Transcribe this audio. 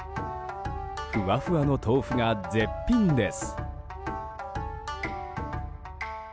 ふわふわの豆腐が絶品です。